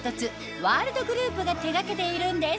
ワールドグループが手がけているんです